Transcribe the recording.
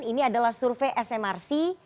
ini adalah survei smrc